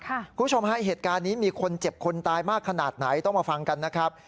คุณผู้ชมฮะเหตุการณ์นี้มีคนเจ็บคนตายมากขนาดไหนต้องมาฟังกันนะครับ